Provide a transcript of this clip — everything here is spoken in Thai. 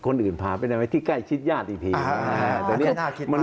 คนอื่นพาไปในไว้ที่ใกล้ชิดญาติอีกที